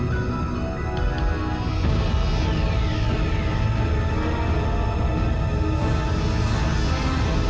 hai oke ya terima kasih raksasa oke